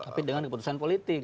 tapi dengan keputusan politik